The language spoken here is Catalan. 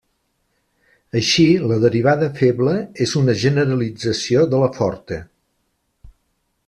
Així la derivada feble és una generalització de la forta.